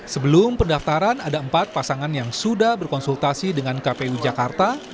sebelum pendaftaran ada empat pasangan yang sudah berkonsultasi dengan kpu jakarta